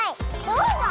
どうぞ！